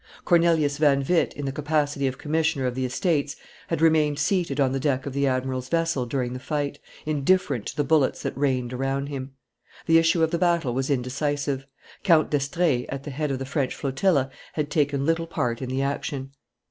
Cornelius van Witt in the capacity of commissioner of the Estates had remained seated on the deck of the admiral's vessel during the fight, indifferent to the bullets that rained around him. The issue of the battle was indecisive; Count d'Estrees, at the head of the French flotilla, had taken little part in the action.